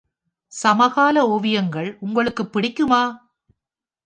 சமகால ஓவியங்கள் உங்களுக்குப் பிடிக்குமா?